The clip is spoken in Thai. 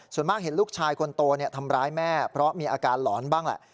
ส่วนมากเห็นลูกชายคนโตทำร้ายแม่เพราะมีอาการหลอนบ้างแหละ